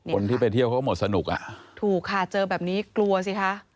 คนที่ไปเที่ยวเขาก็หมดสนุกอ่ะถูกค่ะเจอแบบนี้กลัวสิคะ